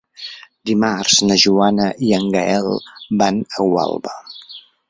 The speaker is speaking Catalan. Dimarts na Joana i en Gaël van a Gualba.